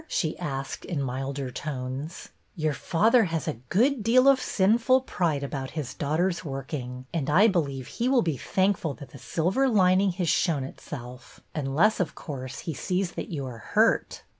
she asked, in milder tones. " Your father has a good deal of sinful pride about his daughter's working, and I believe he will be thankful that the silver lining has shown itself. Unless, of course, he sees that you are hurt."